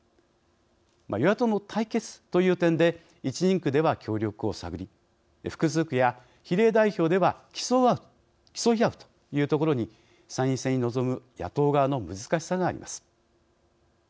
与野党の対決という点で１人区では協力を探り複数区や比例代表では競い合うというところに参院選に臨む野党側の難しさがあります。